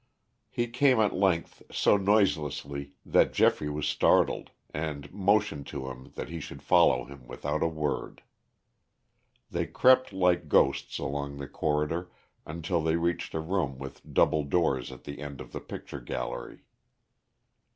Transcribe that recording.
He came at length so noiselessly that Geoffrey was startled, and motioned to him that he should follow him without a word. They crept like ghosts along the corridor until they reached a room with double doors at the end of the picture gallery.